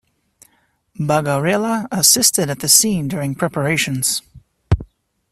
Bagarella assisted at the scene during preparations.